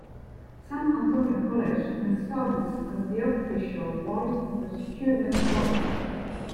San Antonio College and serves as the official voice of the student body.